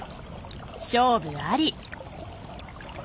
勝負あり。